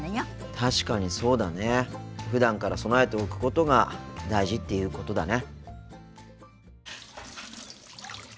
確かにそうだね。ふだんから備えておくことが大事っていうことだね。